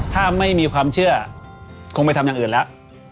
ถ้าไม่มีความเชื่อคงไปทำอย่างอื่นแล้ว